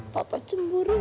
papa cemburu ya